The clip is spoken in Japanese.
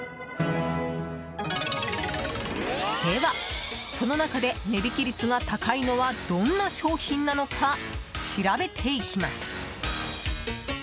では、その中で値引き率が高いのはどんな商品なのか調べていきます。